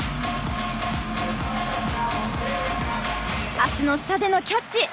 足の下でのキャッチ。